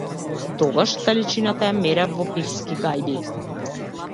Тогаш далечината ја мерев во пивски гајби.